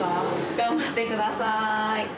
頑張ってください。